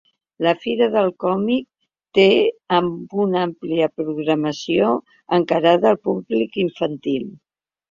La fira del còmic té amb una àmplia programació encarada al públic infantil.